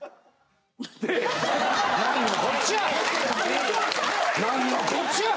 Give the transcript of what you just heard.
何のこっちゃ！